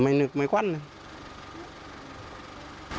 ไม่สิครับ